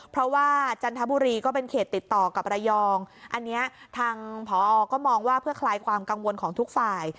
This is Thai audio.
เพราะว่าจันทบุรีก็เป็นเขตติดต่อกับระยองอันนี้ทางผอก็มองว่าเพื่อคลายความกังวลของทุกฝ่าย